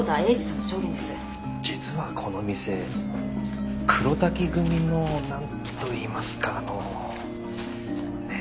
実はこの店黒瀧組のなんといいますかあのねえ。